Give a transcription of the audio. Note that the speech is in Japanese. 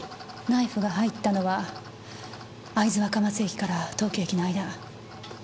ナイフが入ったのは会津若松駅から東京駅の間。